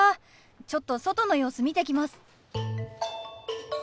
ちょっと外の様子見てきます。